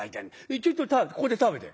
ちょいとここで食べて」。